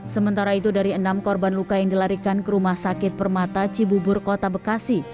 sementara itu dari enam korban luka yang dilarikan ke rumah sakit permata cibubur kota bekasi